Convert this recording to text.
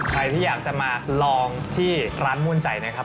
ใครที่อยากจะมาลองที่ร้านม่วนใจนะครับ